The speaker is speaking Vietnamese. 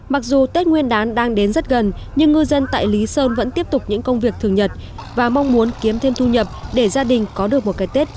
mặc dù tết nguyên đán đang đến rất gần nhưng ngư dân tại lý sơn vẫn tiếp tục những công việc thường nhật và mong muốn kiếm thêm thu nhập để gia đình có được một cái tết vui tết